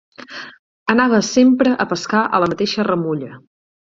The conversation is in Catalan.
Anava sempre a pescar a la mateixa remulla.